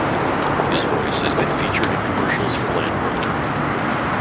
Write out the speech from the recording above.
His voice has been featured in commercials for Land Rover.